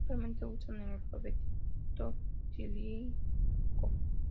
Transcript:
Actualmente usan el alfabeto cirílico.